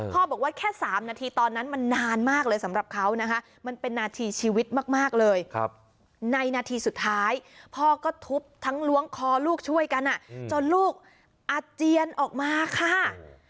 บอกว่าแค่๓นาทีตอนนั้นมันนานมากเลยสำหรับเขานะคะมันเป็นนาทีชีวิตมากเลยในนาทีสุดท้ายพ่อก็ทุบทั้งล้วงคอลูกช่วยกันจนลูกอาเจียนออกมาค่ะ